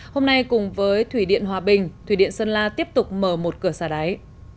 hôm nay cùng với thủy điện hòa bình thủy điện sơn la tiếp tục mở một cửa xả đáy